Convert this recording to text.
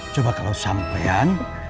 coba kalau sampaian